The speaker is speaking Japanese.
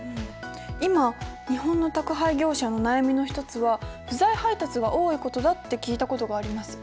今日本の宅配業者の悩みの一つは不在配達が多いことだって聞いたことがあります。